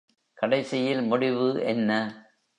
கடைசியில் முடிவு என்ன?